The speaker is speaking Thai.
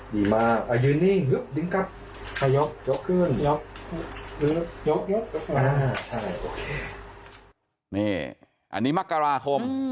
นี่มากอายุนนี่หึบนี่ลิ้งกลับยกขึ้นยกนี่มกราคม